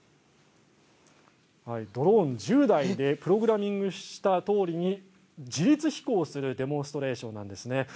ドローン１０台でプログラミングしたとおりに自立飛行するデモンストレーションです。